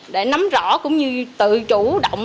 để nắm rõ cũng như tự chủ động